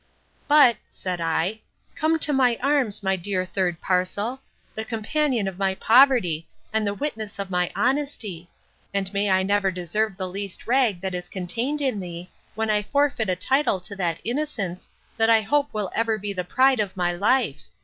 But, said I, cone to my arms, my dear third parcel, the companion of my poverty, and the witness of my honesty; and may I never deserve the least rag that is contained in thee, when I forfeit a title to that innocence, that I hope will ever be the pride of my life!